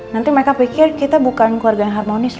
nanti mereka pikir kita bukan keluarga yang harmonis